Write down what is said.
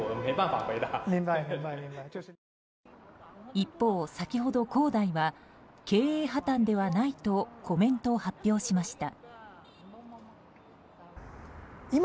一方、先ほど恒大は経営破綻ではないとコメントを発表しました。